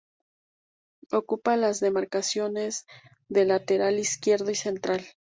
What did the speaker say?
Ocupa las demarcaciones de lateral izquierdo y central.